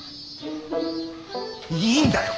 いいんだよ